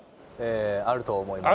あると思います。